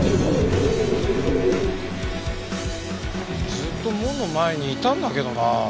ずっと門の前にいたんだけどな。